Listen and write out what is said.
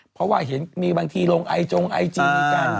เพราะว่าเห็นมีบางทีลงไอจงไอจีกัน